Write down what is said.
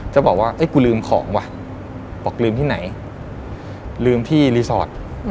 ก็บอกว่ากูลืมของว่ะบอกลืมที่ไหนลืมที่รีสอร์ท